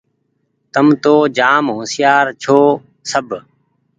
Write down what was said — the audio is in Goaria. تم تو جآم هوشيآر ڇوٚنٚ سب